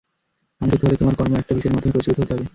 মানুষ হতে হলে, তোমার কর্ম একটা বিষয়ের মাধ্যমে পরিচালিত হতে হবে।